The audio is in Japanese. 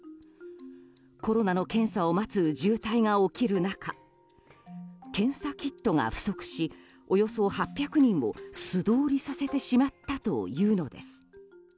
コロナの検査を待つ渋滞が起きる中検査キットが不足しおよそ８００人を素通りさせてしまったというのです。